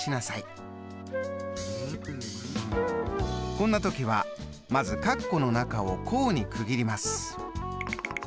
こんな時はまず括弧の中を項に区切ります。